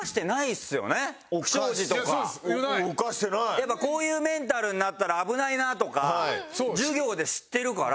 やっぱこういうメンタルになったら危ないなとか授業で知ってるから。